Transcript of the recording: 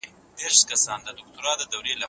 سياسي پرېکړې بايد په ټولنه کې پلي سي.